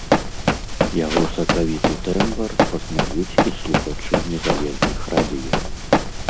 Яго сакавіты тэмбр пазнаюць і слухачы незалежных радыё.